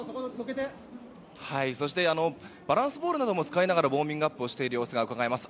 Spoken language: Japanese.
そして、バランスボールなども使いながらウォーミングアップをしている様子がうかがえます。